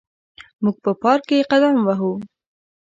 موږ په پارک کې قدم وهو.